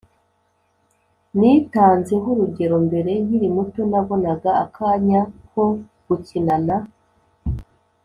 Nitanzeho urugero, mbere nkiri muto nabonaga akanya ko gukina na